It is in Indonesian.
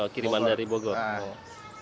kiriman dari bogor